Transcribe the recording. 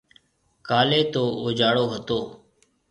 ڪاليَ تو اُجاݪو هتو۔